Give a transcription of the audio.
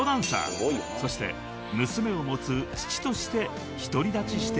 ［そして娘を持つ父として独り立ちしているのです］